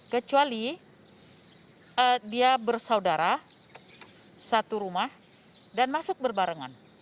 kecuali dia bersaudara satu rumah dan masuk berbarengan